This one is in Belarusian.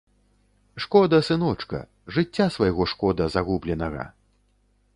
Шкода сыночка, жыцця свайго шкода загубленага.